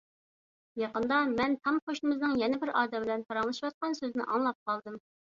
يېقىندا مەن تام قوشنىمىزنىڭ يەنە بىر ئادەم بىلەن پاراڭلىشىۋاتقان سۆزىنى ئاڭلاپ قالدىم.